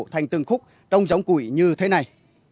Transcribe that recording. thành từng khúc trong giống củi như thế này